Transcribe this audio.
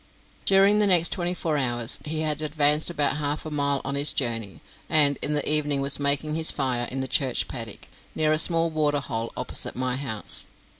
During the next twenty four hours he had advanced about half a mile on his journey, and in the evening was making his fire in the Church paddock, near a small water hole opposite my house.